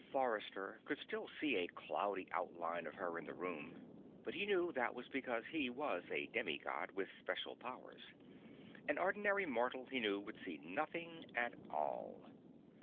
Forrester could still see a cloudy outline of her in the room, but he knew that was because he was a demi God, with special powers. An ordinary mortal, he knew, would see nothing at all.